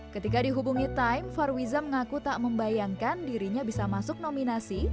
ketika dihubungi time farwiza mengaku tak membayangkan dirinya bisa masuk nominasi